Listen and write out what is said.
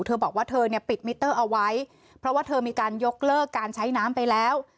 เธอบอกว่าเธอเนี่ยปิดมิเตอร์เอาไว้เพราะว่าเธอมีการยกเลิกการใช้น้ำไปแล้ว